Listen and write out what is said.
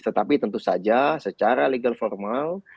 tetapi tentu saja secara legal formal